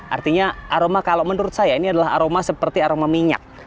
artinya aroma kalau menurut saya ini adalah aroma seperti aroma minyak